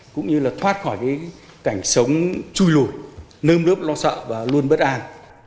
cũng như là thoát khỏi cái cảnh sống chui lùi nơm nướp lo sợ và luôn bất an